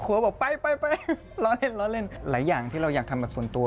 หลายอย่างที่เราอย่างทำแบบส่วนตัว